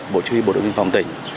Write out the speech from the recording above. bộ chí huy bộ đội viên phòng tỉnh